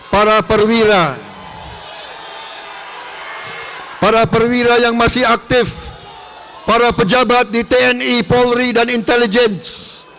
para perwira para perwira yang masih aktif para pejabat di tni polri dan intelligence